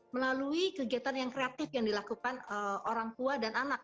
melalui kegiatan yang kreatif yang dilakukan orang tua dan anak